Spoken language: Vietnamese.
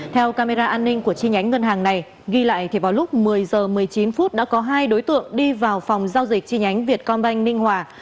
theo camera an ninh của chi nhánh ngân hàng này ghi lại thì vào lúc một mươi h một mươi chín phút đã có hai đối tượng đi vào phòng giao dịch chi nhánh việt công banh ninh hòa